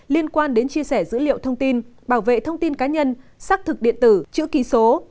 liên quan đến chia sẻ dữ liệu thông tin bảo vệ thông tin cá nhân xác thực điện tử chữ ký số